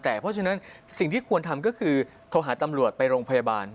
เพราะฉะนั้นสิ่งที่ควรทำก็คือโทรหาตำรวจไปโรงพยาบาล